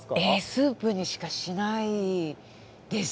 スープにしかしないです。